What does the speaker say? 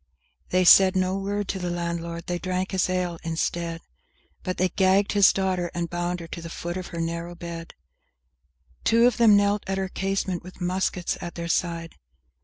II They said no word to the landlord, they drank his ale instead, But they gagged his daughter and bound her to the foot of her narrow bed; Two of them knelt at her casement, with muskets at their side!